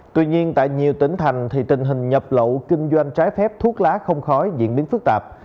tuy nhiên tại nhiều tỉnh thành tình hình nhập lậu kinh doanh trái phép thuốc lá không khói diễn biến phức tạp